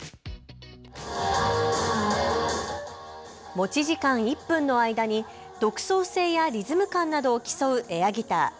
持ち時間１分の間に独創性やリズム感などを競うエアギター。